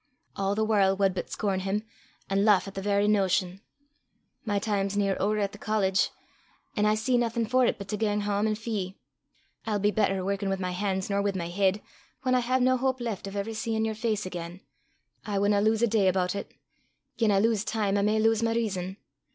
A' the warl' wad but scorn him, an' lauch at the verra notion. My time's near ower at the college, an' I see naething for 't but gang hame an' fee (hire myself). I'll be better workin' wi' my han's nor wi' my heid whan I hae nae houp left o' ever seein' yer face again. I winna lowse a day aboot it. Gien I lowse time I may lowse my rizon.